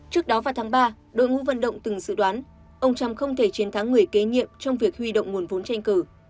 trước đó vào tháng ba đội ngũ vận động từng dự đoán ông trump không thể chiến thắng người kế nhiệm trong việc huy động nguồn vốn tranh cử